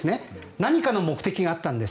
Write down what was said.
何かの目的があったんです。